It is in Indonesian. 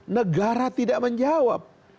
negara tidak menjawab